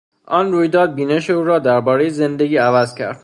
آن رویداد بینش او را دربارهی زندگی عوض کرد.